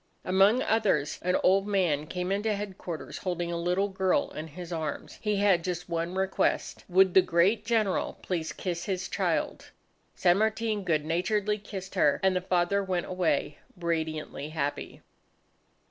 Among others, an old man came into headquarters holding a little girl in his arms. He had just one request, would the great General please kiss his child? San Martin good naturedly kissed her, and the father went away radiantly happy.